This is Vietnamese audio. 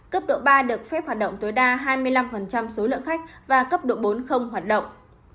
cấp độ ba được phép hoạt động tối đa hai mươi năm số lượng khách và cấp độ bốn hoạt động